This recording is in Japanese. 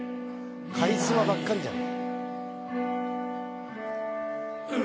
カリスマばっかりじゃん。